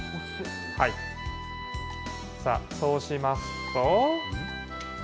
さあ、そうしますと。